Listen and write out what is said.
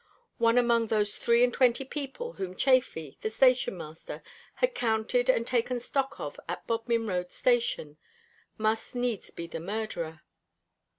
One among those three and twenty people whom Chafy, the station master, had counted and taken stock of at Bodmin Road station, must needs be the murderer.